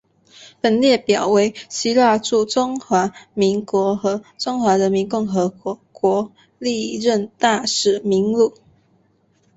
本列表为希腊驻中华民国和中华人民共和国历任大使名录。